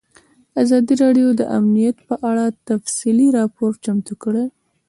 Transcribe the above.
ازادي راډیو د امنیت په اړه تفصیلي راپور چمتو کړی.